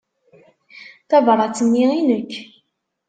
Tabṛat-nni i nekk.